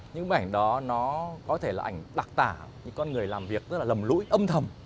những bức ảnh đó nó có thể là ảnh đặc tả những con người làm việc rất là lầm lỗi âm thầm